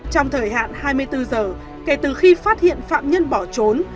trong thời hạn hai mươi bốn giờ kể từ khi phát hiện phạm nhân bỏ trốn